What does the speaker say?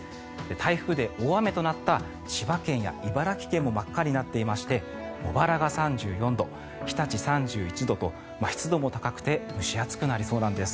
台風で大雨となった千葉県や茨城県も真っ赤になっていまして茂原が３４度日立、３１度と、湿度も高くて蒸し暑くなりそうなんです。